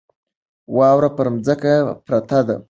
واوره په ځمکه پرته ده.